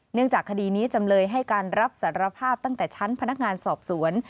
เนื่องจากคดีนี้จำเลยให้การรับสารภาพตั้งแต่ชั้นพนักงานสอบสวน